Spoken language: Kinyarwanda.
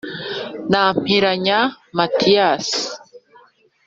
na Mpiranya Mathias